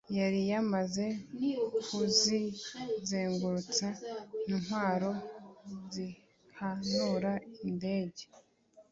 yari yamaze kuzizengurutsa intwaro zihanura indege